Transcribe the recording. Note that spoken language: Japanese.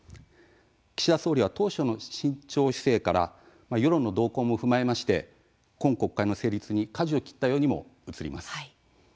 岸田総理は当初の慎重姿勢から世論の動向も踏まえまして今国会の成立にかじを切ったようにも映ります。